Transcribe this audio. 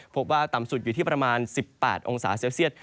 พบว่าต่ำสุดอยู่ที่ประมาณ๑๘องศาเซลเซียต